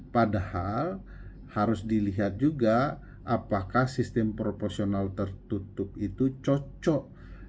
padahal harus dilihat juga apakah sistem proporsional tertutup itu cocok